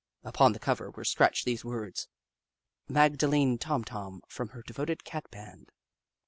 Upon the cover were scratched these words :" Magdalene Tom Tom, from her devoted Cat band."